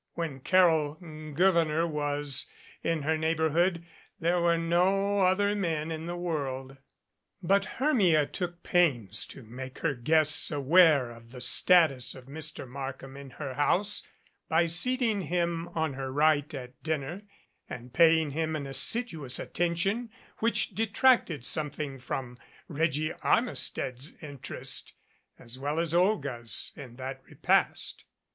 When Carol Gouverneur was in her neighborhood there were no other men in the world. 69 MADCAP But Hermia took pains to make her guests aware of the status of Mr. Markham in her house by seating him on her right at dinner and paying him an assiduous attention which detracted something from Reggie Armistead's in terest, as well as Olga's, in that repast.